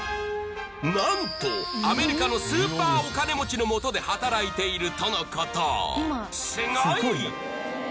なんとアメリカのスーパーお金持ちの下で働いているとのことすごい！